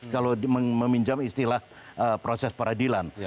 kalau meminjam istilah proses peradilan